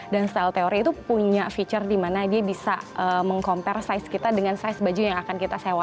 dan style theory itu punya fitur di mana dia bisa meng compare size kita dengan size baju yang akan kita sewa